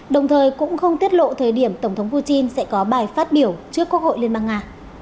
đồng thời cũng không tiết lộ thời điểm tổng thống putin sẽ có bài phát biểu trước quốc hội liên bang nga